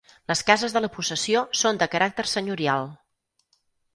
Les cases de la possessió són de caràcter senyorial.